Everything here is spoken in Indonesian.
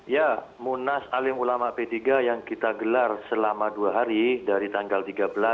ya munas alim ulama p tiga yang kita gelar selama dua hari dari tanggal tiga belas